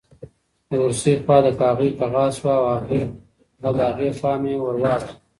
د اورسۍ خواته د کاغۍ کغا شوه او د هغې پام یې ور واړاوه.